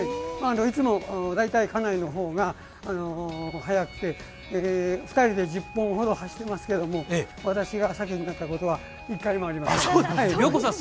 いつも大体家内の方が速くてて２人で１０本ほど走っていま９すけれども、私が先になったことは１回もありません。